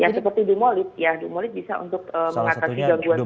ya seperti lumolid ya lumolid bisa untuk mengatasi gangguan tidur